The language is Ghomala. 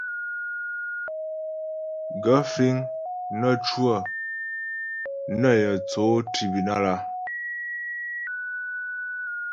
Gaə̂ fíŋ nə́ cwə nə yə̂ tsó tribúnal a ?